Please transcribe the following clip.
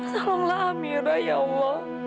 tolonglah amira ya allah